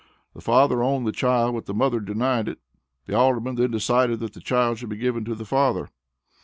The father owned the child but the mother denied it. The Alderman then decided that the child should be given to the father.